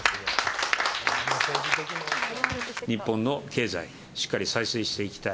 「日本の経済しっかり再生していきたい」